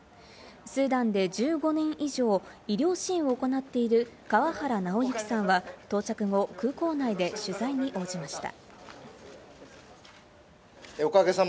スーダンで１５年以上医療支援を行っている川原尚行さんは到着後、空港内で取材に応じました。